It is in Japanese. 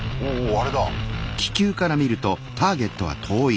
あれだ。